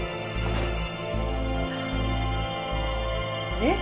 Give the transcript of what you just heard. えっ？